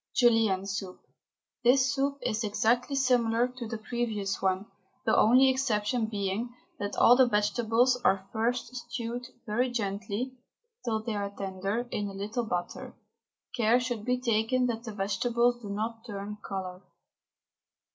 JULIENNE SOUP. This soup is exactly similar to the previous one, the only exception being that all the vegetables are first stewed very gently, till they are tender, in a little butter. Care should be taken that the vegetables do not turn colour.